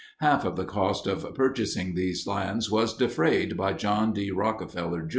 Half of the cost of purchasing these lands was defrayed by John D. Rockefeller, Jr.